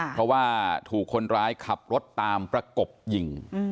เพราะว่าถูกคนร้ายขับรถตามประกบยิง